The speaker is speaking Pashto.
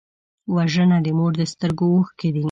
وژنه د مور د سترګو اوښکې دي